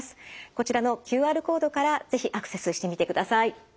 こちらのＱＲコードから是非アクセスしてみてください。